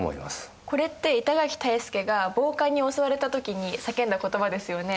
これって板垣退助が暴漢に襲われた時に叫んだ言葉ですよね？